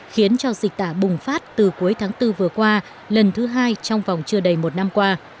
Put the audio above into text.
khiến cho dịch tả bùng phát từ cuối tháng bốn vừa qua lần thứ hai trong vòng chưa đầy một năm qua